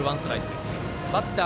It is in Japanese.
バッター